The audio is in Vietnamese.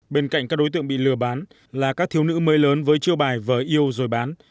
bên cạnh các đối tượng bị lừa bán là các thiếu nữ mới lớn với chiêu bài vợ yêu rồi bán